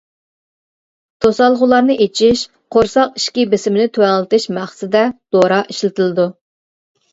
توسالغۇلارنى ئىچىش، قورساق ئىچكى بېسىمىنى تۆۋەنلىتىش مەقسىتىدە دورا ئىشلىتىلىدۇ.